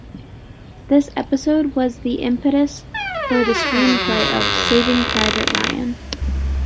This episode was the impetus for the screenplay of "Saving Private Ryan".